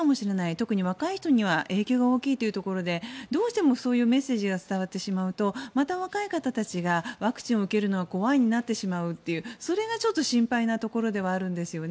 特に若い人には影響が大きいというところでどうしてもそういうメッセージが伝わってしまうとまた若い方たちがワクチンを受けるのは怖いとなってしまうというそれがちょっと心配なところではあるんですよね。